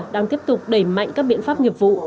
đang tiếp tục đẩy mạnh các biện pháp nghiệp vụ